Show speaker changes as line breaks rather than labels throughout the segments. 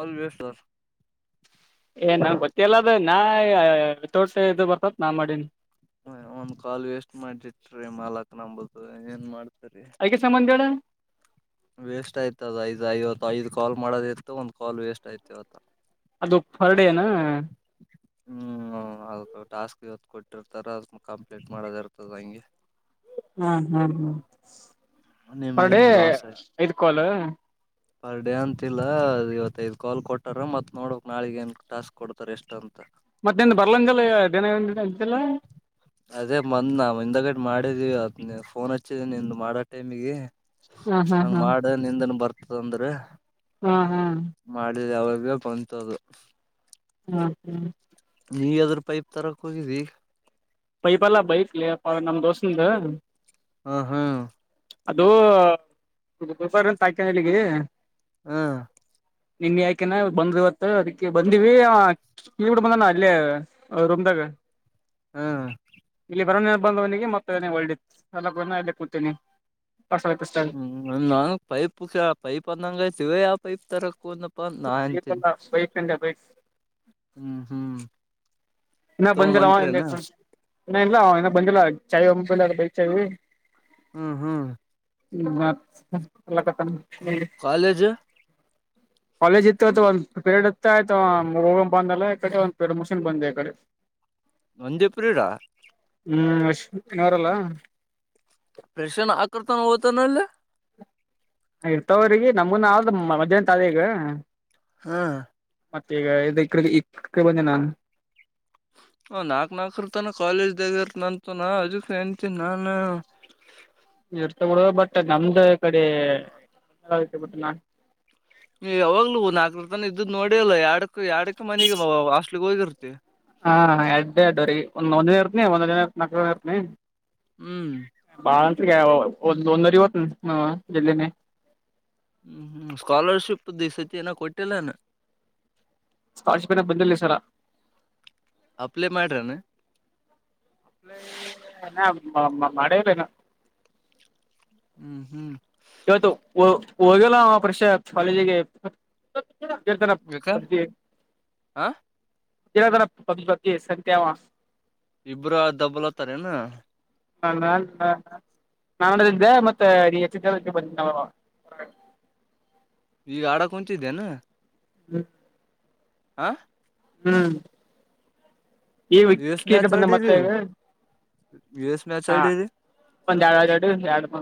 All ವಸ್ sir
ಎಲ್ಲದ ನಾ ತೋಡ್ಸ ಇದು ಬರ್ತತ್ ನಾ ಮಾಡೀನಿ
ಒಂದ್ ಕಾಲ್ ವೇಸ್ಟ್ ಮಾಡಿಟ್ರಿ ಮಾಲಕ್ ನಂಬುದು ಏನ್ ಮಾಡ್
ಅದಕ್ಕೆ ಸಂಬಂಧ ಹೇಳ
ವೇಸ್ಟ್ ಆಯ್ತ ಅದ ಐ್ ಐವತ್ತು ಐದ್ ಕಾಲ್ ಮಾಡೋದ ಇತ್ತು ಒಂದ್ ಕಾಲ್ ವೇಸ್ಟ್ ಆಯ್ತವತ್ತ
ಅದು ಪರ್ಡನಾ
ಹ್ಮ್ ಅದ ಟಾಸ್ಕ್ ಇವತ್ತು ಕೊಟ್ಟಿರ್ತಾರ ಅದ ಕಂಪ್ಲೀಟ್ ಮಾಡೋದ ಇರ್ತದ ನಂಗೆ
ಹ್ಮ್ ಹ್ಮ್ ಹ್ಮ್ ಪಡೆ
ನಿಮ್ಲಿಂದ ಲಾಸ್ ಆಯ್ತು
ಇದ್ ಕಲ್
ಪರ್ ಡೇ ಅಂತಿಲ್ಲ ಇವತ್ತೈದ್ ಕಾಲ್ ಕೊಟ್ಟಾರ ಮತ್ ನೋಡಕ್ ನಾಳಗ ಏನ್ ಟಾಸ್ಕ್ ಕೊಡ್ತಾರೆ ಎಷ್ಟ ಅಂತ
ಮತ್ತೆಂದ ಬರ್ಲಂತಲ್ಲ ದಿನಿನ ಅಂಂತೆಲ್ಲ
ಅದೇ ಬಂದ್ ನ ಹಿಂದಗಡೆ ಮಾಡಿದೀವಿ ಫೋನ್ ಹಚ್ಚಿದೀ ನಿ ಮಾಡೋ ಟೈಮಿಗೆ
ಹಾ ಹಾ
ಹಂಗ್ ಮಾಡ ನಿಂದನ್ ಬರ್ತ ತೊಂದ್ರ
ಹ್ಮ ಹ್ಮ್
ಅವಗ ಬಂತದು
ಹ್ಮ ಹ್ಮ್
ನೀಗದ್ರ ಪೈಪ್ ತರಕ್ ಹೋಗಿದಿ
ಪೈಪಲ್ಲಾ ಬೈಕ್ಲ್ಲಿಪ್ಪ ನಮ್ಮ್ ದೋಸ್ೆ್ದ
ಹ ಹಾ
ಅದುಾರ ಅಂತ ಹಾಕ ಹೇಳಿಗೆ
ಹ್ಮ.
ನಿನ್ ಯಾಕೆನಾ ಬಂದ್ ಇವತ್ತು ಅದಕ್ಕೆ ಬಂದಿವವಿ ಕ ಬಂದಾನ ಅಲ್ಲಿೇ ರೂಮ್ದಾಗ
ಹ್ಮ
ಬರವ ಬಂದವನಿಗೆ ಮತ್ತ ಒಳ್ಳಲ ಕೂತೇನಿ
ಹ್ಮ್ ನಂಗ ಪೈಪ್ ಪೈಪ್ ಅಂದಂಗೈ್ತಿವ ಪೈಪ್ ತರಕ
ಸ್ೈಲ್ಲ ಸ್ೈಫ ಬೈ
ಹ್ಮ್ ಹ್ಮ್
ಇನ್ನ
ತಗೊಂಡ್
ಬಂದಿಲ್ಲ ಅವ
ಹೊಂಟ್ರೇನಾ
ಇ ಇ ಇಲ್ಲ ಅವ ಇನ್ನ ಬಂದಿಲ್ಲ ಚಾಯ ಒಂಬಲ್ಲ ಬೈ ಚ
ಹ್ಮ್ ಹ್ಮ್
ಹ್ಮ ಮತ್ ಕಲ್ಲಕತ
ಕಾಲೇಜ್
ಕಾಲೇಜ್ ಇತ್ತು ಆ ಒಂದ್ ಪೇರಡ್ ಇತ್ತ ಆಯ್ತ ಹೋಗ ಬಂದಲ್ಲಕಡೆ ಒಂದ ಪೇರಡ್ ಮಷಿನ್ ಬಂದ್ ಈ ಕಡೆ
ನಂದೇಪುರೀರ
ಹ್ಮ್ ಅಶ್ಾರಲ್ಲ
ಪ್ರಷರ್ನ ಆಕರ್ತಾನ ಹತನೆಲ್ಲ
ಇರ್ತವ್ರಿಗೆ ನಮನ್ ಆದ ಮಧ್್ಯಾಹನ ತಾಲ ಈಗ
ಹಾ
ಮತ್ತ ಈಗ ಇಡೆ ಬಂದೆ ನಾನ್ು
ಹ ನಾಕ್ ನಾಲ್ಕರು ತನ ಕಾಲೇಜ್ದಾಗ ಇರ್ತನಂತನ ಅದಕ್ಕೆ ಂತೀಿ ನಾನು
ಇಡ್ತಗಡುದು ಬಟ್ ನಮ್ದ ಕಡೆ ಬಟ್ ನಾ
ನೀ ಯಾವಾಗಲೂವು ನಾಲ್ಕರ ತನ ಇದ್ದು ನೋಡಿಲ್ಲ ಯರಡಕ್ಕ ಯರಡಕ್ಕ ಮನೆಗೆ ಹಾಸ್ಟ್ಲಿಗ್ ಹೋಗಿರ್ತ್ತತಿ
ಹಾ ಎಡ್ ಎಡ್ ರೀಂದ ಒಂದ್ ಜನ ಇರ್ತನಿ ಒಂದನ ಇರ್ ನಾಕ ಜನ ಇರ್ತನಿ
ಹ್ಮ್
ಲೋಂದರಿ ಹೊತ್ ಜಲ್ಲಿ
ಹ್ಮ್್ಮ್ ಸ್ಕಾಲರ್ಶಿಪ್ ದ ಸತಿ ಏನ ಕೊಟ್ಟಿಲ್ಲನ
ಸ್ಕಾಲರ್ಷಿಪ್ ಏನ ಬಂದಲ್ಲ ಸರ
ಅಪ್ಲೈ ಮಾಡ್ರಾನ
ಮಾಡೆಯ ಬನು
ಹ್ಮ್ ಹ್ಮ್
ಇವತ್ತು ಹೋಗಲ್ಲ ಪ್ರಷ ಕಾಲೇಜಿಗೆ ಕೆೇಳ್ತನ
ಯಾಕ ಹ
ಜರದರ ಬಗ್ ಬಗ್ಿ ಸಂಖಾವ
ಇಬ್ರು ದಬ್ಬಲ್ತಾರಏನಾ
ನ ನ ನಾನಿಂದೆ ಮತ್ತೆ ಹೆಚ್ಚ ಜ ಬಂದ ನವು
ಈಗ ಆಡ ಕುಂತಿದ್ದೇನಾ
ಹ್ಮ್
ಹಾ
ಹ್ಮ್. ಈ
ಎಸ್
ಕಿಕೇ
ಮ್ಯಾಚ್
ಬಂದ ಮತ್ತ
ಆಡಿರಿ ಎಸ್ ಮ್ಯಾಚ್
ಹಾ
ಆಡಿರಿ
ಒಂದ ಎರಡು ಎರಡು ಎರಡು ಬ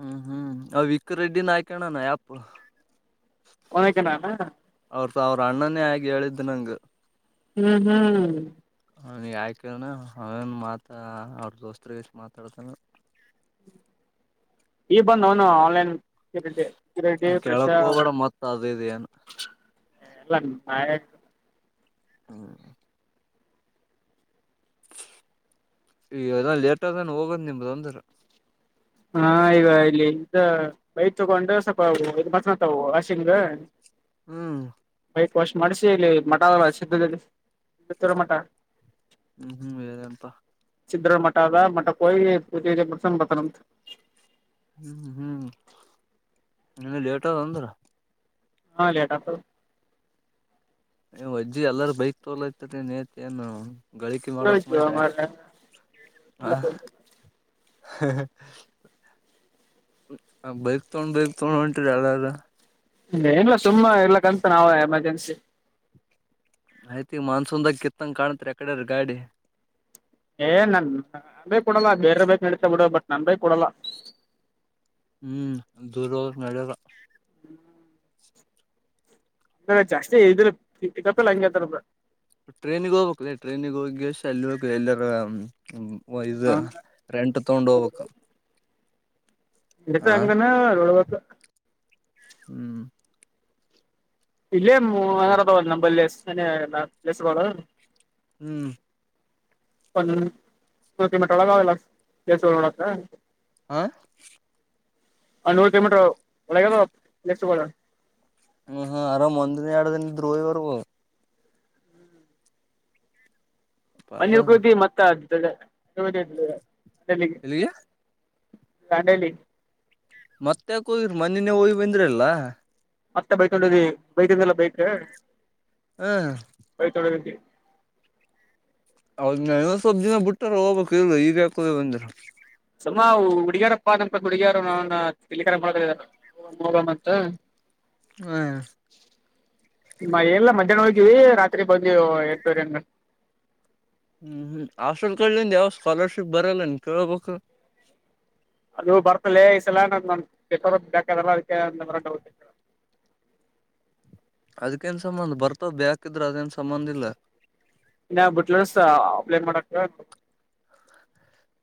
ಹ್ಮ್ ಹ್ಮ್ ಅವ ವಿಕ ರೆಡ್ಡಿ ನ ಆಯ್ಕಣಾನ ಆ
ಅವನಕ ನಾನು
ಅವ್ರಸ ಅವ್ರ ಅಣ್ಣನೇ ಆಿ ಹೇಳಿದ್ದ. ತಿಿನಕು
ಹ್ಮ್ ಹ್ಮ್
ಅವನ್ ಯಾಕಿದಾನ ಅವೇನು ಮಾತ ಅವ್ರ ದೋಸ್ತ್ರಗಷ್ಟ ಮಾತಾಡ್ತಾನ.
ಈ ಬಂದ್ ಅವನು ಆನ್ಲೈನ್ ಕಿರಟ ಕಿರಟ ಪ್ರಷ
ಕೇಳಕ್ ಹೋಗ್ಬೇಡ ಮತ್ ಅದ ಇದ ಏನು
ಎಲ್ಲ ಆಯ
ಹ್ಮ ಈ ಅಲ್ಲ ಲೇಟ್ ಆದಾನ ಹೋಗದ್ ನಿಮ್ದ ಒಂದ್ರ
ಹಾ ಈಗ ಇಲ್ಲಿ ಬೈಟ್ ತಗೊಂಡ್ರೆ ಸ್ವಲ್ಪ್ ಮಾತನಾತವು ಆಶಿಂಗ
ಹ್ಮ್
ಐ ವರ್ಷ ಮಾಡ್ಿಸಿಿ ಇಲ್ಲಿ ಮಠಲ್ಲ ಸಿದ್ಧದಲ್ಲಿ ತರ ಮಠ
ಹ್ಮ್ ಹ್ಮ್ ವೇರಪಾ
ಸಿದ ಮಠದ ಮ ಕೋಿ ಪೂಜೆ ಬರ್ಸ ಬರ್ತಾರಂತ
ಹ್ಮ್ ಹ್ಮ್ ಇ ಲೇಟ್ ಆದ ಅಂದ್ರ
ಹಾ ಲೇಟಾಕ್ಟರ್ನಾನ
ಮ ನೇತ ಏನು ಗಳಿಕೆ ಮಾಡಕ್
ಯಜು
ಮಾಡ್ರಿ
ಅಾರ
ಹ ಬೈಕ್ ತೊಂಡ ಬೈಕ್ ತೊಂಡ ಅಂಟ ಚಲ್ಲಾರ
ಇಲ್ಲ ಸುಮ್ಮ ಇಲ್ಲಕ್ಕಂತ ನಾವವು ಎಮರ್ಜೆನ್ಸಿ
ಆಯ್ತಿ ಮಾನ್ಸೂನ್ದಾಗ ಕಿತ್ತಂಗ ಕಾಣತ್ರಿ ಯಕಡೆ್ರ ಗಾಡಿ
ಏ ನನ್ ನನ್ ಭೇ ಕೊಡಲ್ಲ ಬೇರೆ ಬೇಕ ನಡಸ ಬಿಡ ಬಟ್ ನನ್ ಭೇ ಕೊಡಲ್ಲ
ಹ್ಮ್ ದೂರ ನಡರ.
ಅ ಜಾಸ್ತಿ ಇದ್ರ. ಪಿಕಪಲ್ಲಿ ಹಂಗೆ ಇರ್ತಾರಬ್ರೋ
ಟ್ರೈನಿಗೆ ಹೋಗ್ಬೇಕಕ್ಲ ಟ್ರೈನಿಗೆ ಹೋಗಿ. ಎಲ್ಲ ಎಲ್ಲರ. ಓ ಇದು ರೆಂಟ್ ತಗೊಂಡು ಹೋಗ್ಬೇಕಕ್ು.
ಇತ ಹಂಗನ. ಹ.
ಹ್ಮ್.
ಇಲ್ಲೇ
ಆಕಡೆ
ಅರದ ಬಲ್ಲ ನಂಬಲ್ಲ. ಮನಲ್ಲ ಕೆಸ್ಗಳುಳ.
ಹ್ಮ್.
ಒಂದು ನೂತ್ತ ಮಿಂಟ ಒಳಗ ಅವಲ್ಲ ದಸ ನೋಡತ್ತ.
ಹಾ.
ಅ ನೂರು ಕಲೋಮೀಟರ್ ಒ.
ಹ್ಮ್ ಹಾ ಅರಾಮ್ ಒಂದಿನ ಎರಡು ದಿನ ್ೋಹಿರು.
ಮನಿರ್
ಪಾಡದ
ಕತಿ ಮತ್ತ ಅ. ಜ. ಅಲ್ಲಿಗೆ.
ಎಲ್ಲಿಗೆ
ಕಟಲಿ
ಮತ್ತೆಕ ಹೋಗರು ಮನನೇ ಹೋಗ್ಂದ್ರಲ್ಲಾ.
ಮತ್ತೆ ಬೈತೊಂಡಿ ಬೈತಿಂದಲ್ಲ ಬೈಕ್.
ಹ
ತಳ.
ಹೌದ್ ನ ಸಬ್ಜಿನ ಬಿಟ್ಟಾರ ಹೋಗ್ಕ್ ಇಲ್ ಈಗ ಯಾಕುದ ಬಂದ್ರ.
ಸುಮ್ಮ ಹುಡುಗಿಯರಪ್ಪ ಅ ಹುಡುಗಿಯಾರ ನ ತಿಲಿಕರ ಮಾಡಗ ಅಂತ.
ಹ.
ಮ ಎಲ್ಲ ಮಧ್ಯಾಹ್ನ ಹೋಗೀವಿ ರಾತ್ರಿ ಬಂದವು ಎರೂರ ಎ.
ಹ್ಮ್್ಮ ಹಸ್ಲ್ ಕಿಂದ ಯಾವ ಸ್ಕಾಲರ್ಶಿಪ್ ಬರಲ್ಲ ನೀನ್ ಕೇಳ್ಬೇಕು.
ಅದು ಬರ್ತಲೇ ಈ ಸಲ ನ ನರ ಬೇಕಾದಲ್ಲ ಅದಕ್ಕೆರ.
ಅದ್ಕ್ಕೇನ್ ಸಂಬಂಧ ಬರ್ತಾವ ಬ್ಯಾಾಕಿದ್ರೆ ಅದೇನ್ ಸಂಬಂಧ ಇಲ್ಲ.
ಇ ಬಿಟ್ಲಸ ಏನ್ ಮಾಡತ.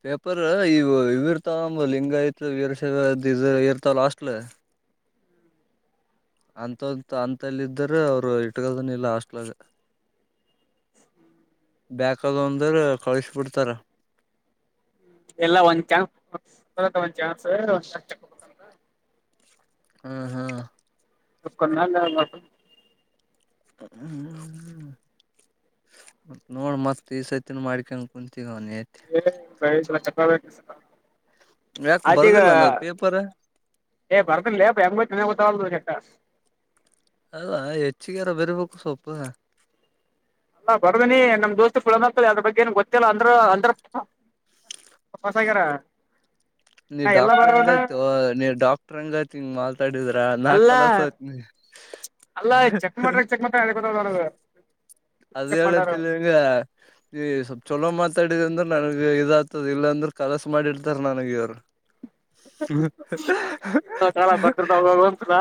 ಪೇಪರ್ ಈವು ಇವರ್ತ ಲಿಂಗಾಯತ ವಿರ್ಶ ಇರ್ತಾವ ಲಾಸ್ಟ್ಲ್. ಅಂತಂತ ಅಂತಲ್ಲಿದ್ರ ಅವ್ರು ಇಟ್ಕಲ್ದನ್ ಇಲ್ಲ ಹಾಸ್ಟ್ಲ ಬಕ್ದ ಅಂದ್ರ ಕಳ್ಸ್ಬಿಡ್ತಾರ.
ಎಲ್ಲಾ ಒಂದ್ ಚಾನ್ ಒಂದ್ ಚಾನ್ಸ್.
ಹ್ಮ ಹಾ.
ತಕ್ಕನ್ನಲ್ಲಟು.
ಹ್ಮ್ ಮ ನೋಡ್ ಮತ್ತತ್ ಈ ಸತಿನ ಮಾಡ್ಕಂಗ ಕುಂತೀಿ.
ಏ ಬೆಳ. ವಾಕ್ ಸ.
ಯಾಕ
ಅದಗ
ಬರ್ದಿಲ್ಲ ಅನ್ನದ್ ಪೇಪರ್
ಏ ಬರ್ತನ ಹೆಂಗ ಗೊತ್ತ. ಕಸ್
ಅದಾ ಹೆಚ್ಚಗಾರ ಬರ್ಬೇಕು ಸೊಪ್ಪ
ಅಲ್ಲ ಬರ್ದನಿ ನಮ್ ದೋಸ್ತ್ ಫುಳನ್ತಲ್ಲ ಅದ್ರ ಬಗ್ಗೆ ಏನು ಗೊತ್ತಲ್ಲ ಅಂದ್ರ ಅಂದ್ರ ಹೊಸಗ್ಯಾರ
ನೀ ಡಾಕ್ಟರ್ ಹಂಗ ಆಯತ ನೀ ಡಾಕ್ಟರ್ ಹಂಗ ಮಾಡು
ಅಲ್ಲ ಅಲ್ಲಾ ಚೆಕ್ ಮಾಡ್ರ ಚೆಕ್ ಮಾತ್ರ ಹೇಳ್ಕೊತದ ನನ
ಅದೇ ಎಲ್ಲತ ಹೆಂಗ ಈ ಚಲ್ ಮಾತಾಡಿ ಇಲಂದ್ರ ನನಗೆ ಇದ ಆತದ ಇಲ್ಲಾಂದ್ರೆ ಕೆಲಸ ಮಾಡಿಡ್ತಾರ ನನಗ ಇವರು ಹ್ಮ
ಕಾಲ ಬರ್ದಿರ್ತಾವ ಅಂತದ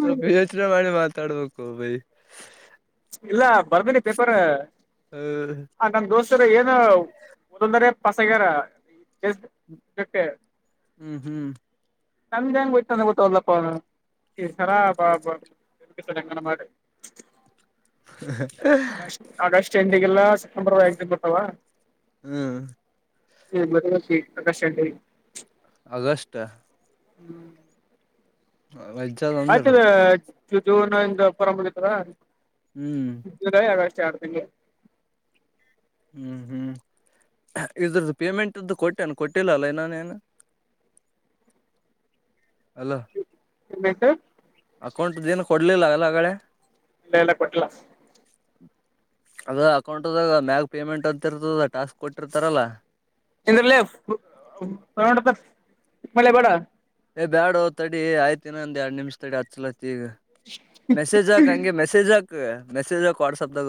ಸ್ವಲ್ಪ ಯೋಚನೆ ಮಾಡಿ ಮಾತ್ರ ತಡಬೇಕಕ ಭೈ
ಇಲ್ಲ ಬರ್ದನಿ ಪೇಪರ್
ಹ
ಹ ನನ್ ದೋಸ್ ಏನ ಒದೊಂದರ ಪಸಗಾರ
ಹ್ಮ ಹ್ಮ್ ಹ್ಮ್
ನಮ ಹೆಂಗ್ ಬಿತಂದ ಗೊತ್ತಲ್ಲಪ್ಪ ಅವ ಸರಾಬಾ ಮಾಡಿ
ಹ
ಆಗಸ್ಟ್ ಆಗಸ್ಟ್ ಎ ಇಗೆಲ್ಲಾ ಸೆಪ್ಟಂಬರ್ ಎಕ್ ಕೊತ
ಹ್ಮ್
ಹ್ಮ ಮದಿ ಪ್ರಕಾಶ
ಅಗಸ್ಟ್
ಹ್ಮ್
ವೈಜಾಲ ಅಂದರು
ಜೀವನಿಂದ ಪರ ಮಾಡಳಿತರ
ಹ್ಮ್
ರ ಆಗಷ್ಟ ಚಾರತನ
ಹ್ಮ್ ಹ್ಮ್ ಇದ್ರದ್ದು ಪೇಮೆಂಟ್ ಕೊಟ್ಟೇನ ಕೊಟ್ಟಿಲ್ಲ ಅಲ್ಲ ಇನ್ನಾನೇನು ಅಲ್ಲ
ನ್ ಬೇಕು
ಅಕೌಂಟು ದಿನ ಕೊಟ್ಟ ಡ್ಲಿ ಲಾಗಲ್ಲಗಡೆ
ಇಲ್ಲ ಎಲ್ಲ ಕೊಟ್ಟಿಲ್ಲ
ಅದ ಅಕೌಂಟ್ದಾಗ ಮ್ಯಾಗ ಪೇಮೆಂಟ್ ಅಂತಿರ್ತದ ಟಾಸ್ಕ್ ಕೊಟ್ಟಿರ್ತಾರಲ್ಲ
ಎಂದ್ರಲ್ಲ ಮಳೆ ಬೇಡ
ಏ ಬ್ಯಾಡೊ ತಡಿ ಆಯ್ತಿನ ಒಂದ ಎರಡು ನಿಮಿ್ ತಡೆ ಹತ್ ಚಲತ್ತತಿ ಈಗ ಮೆಸೇಜ್ ಹಾಕ್ ಹಂಗೆ ಮೆಸೇಜ್ ಹಾಕ್ ಮೆಸೇಜ್ ಹಾಕು ವಾಟ್ಸಆಪ್ ದಾಗ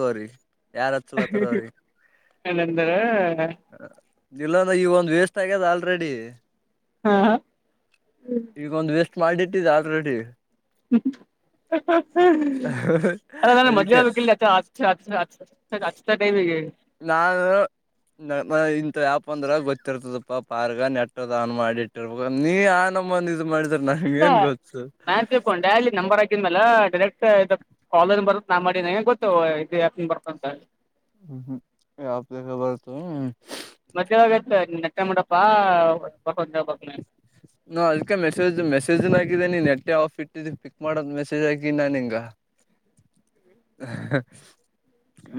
ಇಲ್ಲಂದ್ರ
ಇಲ್ಲಾಂದ್ರೆ ಈವ ಒಂದಂದು ವೇಸ್ಟ್ ಆಗ್ಯದ ಆಲ್ರೆಡಿ
ಹಾ
ಈಗೊಂದು ವೆಸ್ಟ್ ಮಾಡಿಟ್ಟಿದ್ದ ಅಲ್ರೆಡಿ
ಹ್ಮ
ಅದಕ್ಕೆ
[unintelligible] ಗಚ್ತಾ ಟೈಮಿಗೆಗೆ [unintelligible]
ನಾನ ಇಂತ ಯಾಪ ಅಂದ್ರ ಗೊತ್ತಿರ್ತದಪ್ಪಾ ಪಾರ್ಗ ನೆಟ್ ಅದು ಮಾಡಿ ಇಟ್ಟಿರ್ಬೇಕ ನೀ ಆ ನಮ್ಮಂದ ಇದ್ ಮಾಡಿದ
[unintelligible] ಡೈರೆಕ್ಟ್ ಕಾಲ ಬರುತ್ತ ನಾ ಮಾಡಗೆ ಗೊತ್ತು ಯ ಬರುತ್ತ ಅಂತ
ಹ್ಮ್ಮ್ ಆದಖಬರ್ತ
ಮದ್ ಆಾಗಾಯತ ನಟ ಮಾಡಡಪಾ
ನಾ ಅದಕ್ಕೆ ಮೆಸೇಜ್ ಮೆಸೇಜ್ ನೀನ್ ನೆಟ್ಟ ಆಫ್ ಇಟ್ಟಿದ ಪಿಕ್ ಮಾಡೋದ್ ಮೆಸೇಜ್ ಆಗಿ ನಾ ನಿಂಗ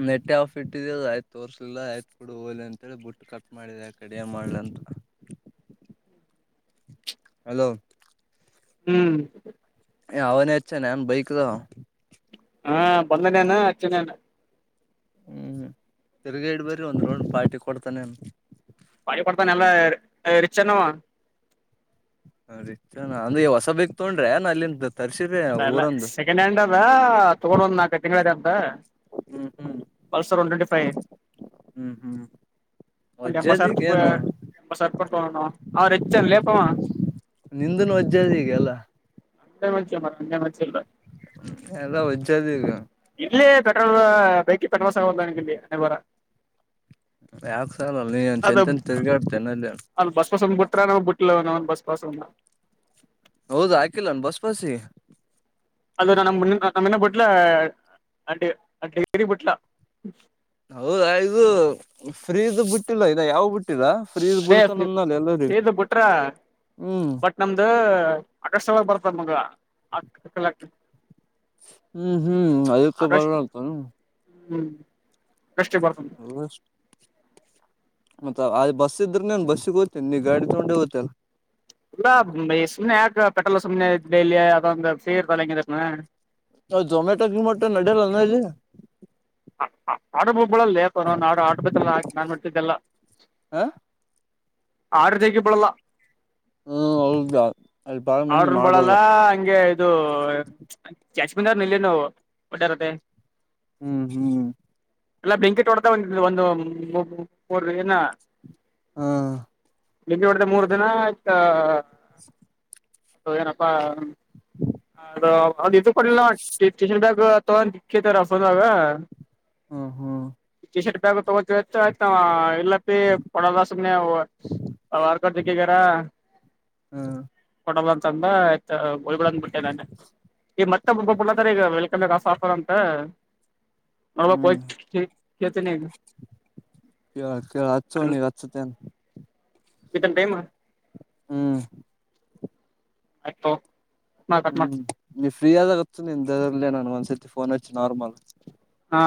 ನೆಟ್ಟೆ ಆಫ್ ಇಟ್ಟಿದ ಅ ಆಯ್ತು ತೋರ್ಸ್ಲಿಲ್ಲ ಆಯ್ತ್ ಕುಡು ಹೋಲಿ ಅಂತೇಳಿ ಬುಟ್ಟು ಕಟ್ ಮಾಡಿದೆ ಕಡಿಯ ಮಾಡ್ಲಂತ ಅಲೋ
ಹ್ಮ್
ಅವನೇ ಹಚ್ಚನೆ ನನ್ ಬೈಕ್ದ
ಹಾ ಬಂದನೇ ಅಚ್ಚೆ ನೆನೆ
ಹ್ಮ್ ತಿರ್ಗ ಇಡ್ ಬ್ರಿ ಒಂದ್ ರೌಂಡ್ ಪಾರ್ಟಿ ಕೊಡ್ತಾನೇ
ಪಾಯ ಕೊಡ್ತಾ ನಲ್ಲ ರಿಚ್ ಅನಾ ಅವ
ಹ ರೀನ ಅಂದ್ರ ಹೊಸ ಬೇಕ್ ತೊಂಡ್ರೆ ನ ಅಲ್ಲಿಂದ ತರ್ಸಿರಿ
ಅದಲ್ಲ
ಊರಂದು
ಸೆಕೆಂಡ್ ಹ್ಯಾಂಡ್ ಅದ ತಗೊಂಡ್ ಒಂದ್ ನಾಕ ತಿಂಗಗಳ ಅಂತ
ಹ್ಮ್ ಹ್ಮ್
ಪಲ್ಸರ್ ಒನ್ ಟ್ವೆಂಟಿ ಫೈ
ಹ್ಮ್ ಹ್ಮ್
ಒಂದ ಎಂಬತ್
ವಜ್ಜದಿಗ
ಸಾವಿ
ಏನು
ಎಂಬತ್ತು ಕೊಟ್ಟಣ ಅವ್ರ ಹೆ [unintelligible] ರಿಚ್ ಆನ್ ಲೆ ಫಾ
ನಿಂದನು ವಜ್ಜಾದ ಎಲ್ಲಾ
[unintelligible]
ಎಲ್ಲ ಒಜ್ಜದ ಈಗ
ಇಲ್ಲೇ ಪೆಟ್ರೋಲ್ ಬೈಕಿ ಪೆಟ್ರೋಲ್ ಸಾಲವಾಲ್ದು ನನಗಿಲ್ಲಿ ಹಣೆಬರ
ಯಾರ್ ನೀ ಏನ್ ಚಂತ್ಯನ ತಿರ್ಗಿ ಆಡ್ತೇನೆ ಅಲ್ಲಿ
ಟ್ರ ನ ಬುಟ್ಟಂದ ಬಸ್ ಪಾಸ [unintelligible]
ಹೌದ ಆಕಿಲ್ಲಾನ ಬಸ್ ಪಾಸ್
ಅದು ನ ನಮ್ಮನ್ನ ಬಿಟ್ಲ ಅ ಅ ಡಿ ಡಿಗ್ರಿ ಬಿಟ್ಲ
ಹೌದ ಇದು ಫ್ರೀದು ಬಿಟ್ಟಿಲ್ಲ ಇದು ಯಾವ ಬಿಟ್ಟ
ಅದೇ ಫೀದು ಬಿಟ್ರ
ಹ್ಮ್
ಬಟ್ ನಮ್ದು ಆಗಸ್ಟ್ ಒಳಗ ಬರ್ತ ನಮಗ ಹಾಕಲಾ
ಹ್ಮ್ ಹ್ಮ್ ಅದಕ್ಕ ಬರ
ಆಗಸ್ಟ್
ಆತನು
ಹ್ಮ್ ಅಷ್ಟೇ ಬರ್ತ
ಮತ್ತ ಅದ್ ಬಸ್ ಇದ್ರೆ ನನ್ ಬಸ್ಸಿಗ್ ಹೋಗ್ತಿನ್ ನೀ ಗಾಡಿ ತಗೊಂಡೆ ಒಯ್ತಲ್ಲ
ಇಲ್ಲ ಸುಮ್ನೆ ಯಾಕ್ ಕಟ್ಟಲ್ ಸುಮ್ನೆ ಡೈಲಿ ಅದು ಅಂತ [unintelligible]
ಹ ಜೋಮ್ಯಾಟೋ ಗಿಮ್ಯಾಟೋ ನಡಿಯಲ್ ಅಲ್ಲ ಇಲ್ಲಿ
[unintelligible] ತಳಲ್ಲೆ [unintelligible]
ಹ
ಆರ್ಡರ್ ದೇಕಿ ಬಿಳಲ್ಲ
ಹ್ಮ್ ಹೌದಾ
ಆರ್ಡ್ರ ಬಳಲ್ಲ ಹಂಗೆ ಇದು ಜಾಶ್ಮೀಂದಾರ್ ನಿಲ್ಲನು [unintelligible]
ಹ್ಮ್ ಹ್ಮ್
ಎಲ್ಲ ಬ್ಲಿನ್ಕೀಟ್ ಹೊಡ್ಕನ್ ಬಂದ ಒಂದುರ್ ಏನ
ಹಾ
ಡೆಲಿವೆರಿದೆ ಮೂರ್ ದಿನ ಟ
[unintelligible]
ಅ ಏನಪ್ಪಾ ಅದು ಅದ್ ಇದು ಕೊಡಿಲ್ಲ ಸ್ಟೇಷನ್ ಬ್ಯಾಗ್ ತಗೊಂಡ್ತಾರ [unintelligible] ಫೋನಗ
ಹ ಹಾ
ಟಿ ಶರ್ಟ್ ಬ್ಯಾಗ್ [unintelligible] ಇಲ್ಲಪ್ಪಿ ಕೊಡಲ್ಲ ಸುಮ್ನೆ
ಹ್ಮ್
[unintelligible] ತಂದ ಆಯ್ತ [unintelligible] [unintelligible] [unintelligible] ಕೆ
ಕೆ ಕೆ ಅಚ್ಚು ನೀ ಅಚ್ತೇನ್
ವಿತ್ತನ್ ಟೈಮ್
ಹ್ಮ್
[unintelligible] ಕಟ್
ಹ್ಮ್
ಮಾಡ್ತೀನಿ
ನೀ ಫ್ರೀ ಆದಾಗ ನಿನ್ ದಲ್ಲೇ ನಾನು ಒಂದ್ಸತಿ ಫೋನಚ್ಚು ನಾರ್ಮಲ್
ಹಾ